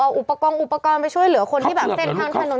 เอาอุปกรณ์อุปกรณ์ไปช่วยเหลือคนที่แบบเส้นทางถนน